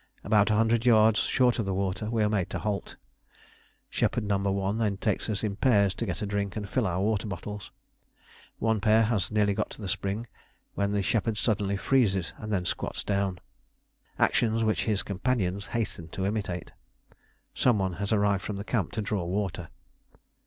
About a hundred yards short of the water we are made to halt. Shepherd No. 1 then takes us in pairs to get a drink and fill our water bottles: one pair has nearly got to the spring when the shepherd suddenly freezes and then squats down actions which his companions hasten to imitate. Some one has arrived from the camp to draw water.